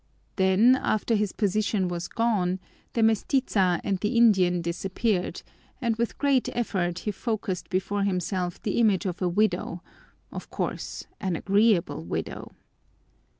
Then after his position was gone, the mestiza and the Indian disappeared and with great effort he forced before himself the image of a widow, of course an agreeable widow!